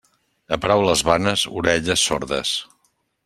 A paraules vanes, orelles sordes.